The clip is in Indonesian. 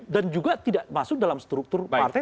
dan juga tidak masuk dalam struktur partai